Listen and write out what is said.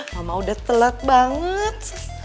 mama sudah telat banget